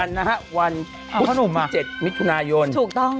พอเจอกันนะครับวัน๖๐๗มิถุนายน